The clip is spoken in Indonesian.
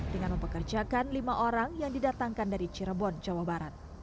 dengan mempekerjakan lima orang yang didatangkan dari cirebon jawa barat